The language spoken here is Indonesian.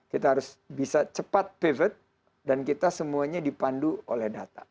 kita harus bisa cepat private dan kita semuanya dipandu oleh data